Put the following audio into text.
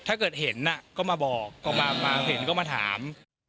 ถ้าเกิดเห็นก็มาบอกก็มาเห็นก็มาถาม